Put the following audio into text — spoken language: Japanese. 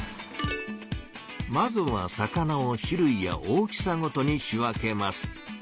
まずは魚を種類や大きさごとに仕分けます。